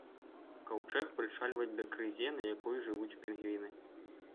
Каўчэг прычальваць да крызе, на якой жывуць пінгвіны.